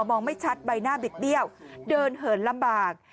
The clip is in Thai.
ไม่ชัดใบหน้าบิดเบี้ยวเดินเหินลำบาก